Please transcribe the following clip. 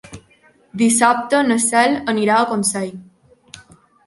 Dissabte na Cel anirà a Consell.